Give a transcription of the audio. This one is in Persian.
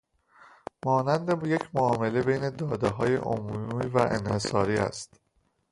مانند یک معامله بین دادههای عمومی و انحصاری است